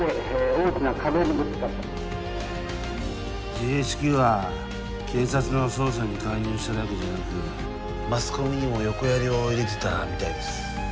ＧＨＱは警察の捜査に介入しただけじゃなくマスコミにも横やりを入れてたみたいです。